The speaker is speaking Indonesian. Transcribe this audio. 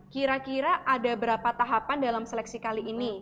kira kira ada berapa tahapan dalam seleksi kali ini